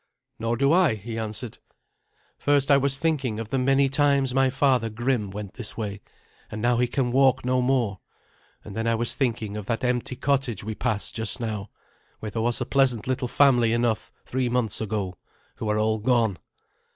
"Nor do I," he answered. "First, I was thinking of the many times my father, Grim, went this way, and now he can walk no more; and then I was thinking of that empty cottage we passed just now, where there was a pleasant little family enough three months ago, who are all gone.